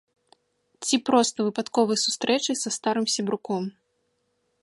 Ці проста выпадковай сустрэчай са старым сябруком.